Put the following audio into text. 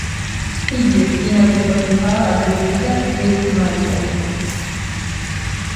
ხიდი რკინა-ბეტონითაა აგებული და ერთმალიანი.